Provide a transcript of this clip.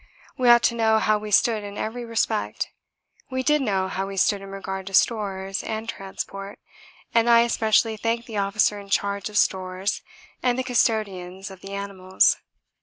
We ought to know how we stood in every respect; we did know how we stood in regard to stores and transport, and I especially thanked the officer in charge of stores and the custodians of the animals.